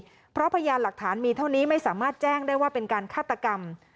เพราะพยานหลักฐานมีเท่านี้ไม่สามารถแจ้งได้ว่าเป็นการฆาตกรรม